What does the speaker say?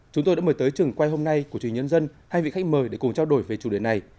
chúng tôi đã mời tới trường quay hôm nay của truyền nhân dân hai vị khách mời để cùng trao đổi về chủ đề này